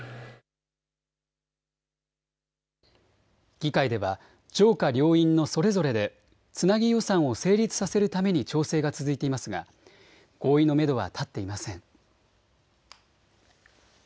議会では上下両院のそれぞれでつなぎ予算を成立させるために調整が続いていますが合意のめどは立っていません。